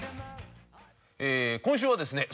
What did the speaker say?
今週はですね